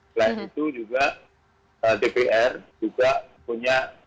selain itu juga dpr juga punya